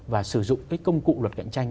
và sử dụng cái công cụ luật cạnh tranh